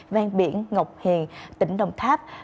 vang biển ngọc hiền tỉnh đồng tháp